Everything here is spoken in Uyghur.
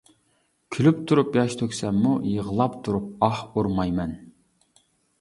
كۈلۈپ تۇرۇپ ياش تۆكسەممۇ، يىغلاپ تۇرۇپ ئاھ ئۇرمايمەن!